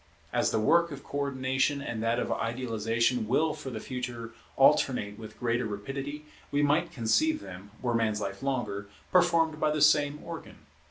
As the work of Co ordination and that of Idealization will for the future alternate with greater rapidity, we might conceive them, were man's life longer, performed by the same organ.